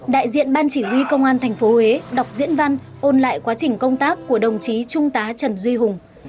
đại diện ban chỉ huy công an tp huế đọc diễn văn ôn lại quá trình công tác của đồng chí trung tá trần duy hùng